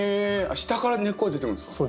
下から根っこが出てくるんですか？